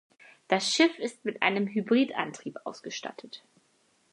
Das Schiff ist mit einem Hybridantrieb ausgestattet.